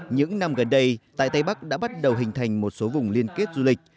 những năm gần đây tại tây bắc đã bắt đầu hình thành một số vùng liên kết du lịch